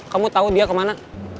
kamu tau dia kemana